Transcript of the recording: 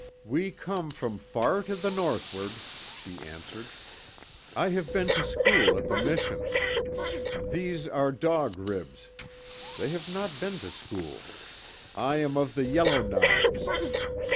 "We come from far to the northward," she answered. "I have been to school at the mission. These are Dog Ribs. They have not been to school. I am of the Yellow Knives.